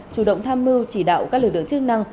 chủ động tham mưu chỉ đạo các lực lượng chức năng